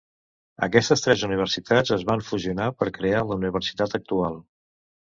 Aquestes tres universitats es van fusionar per crear la universitat actual.